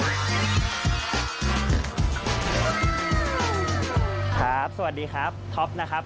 สวัสดีครับสวัสดีครับท็อปนะครับ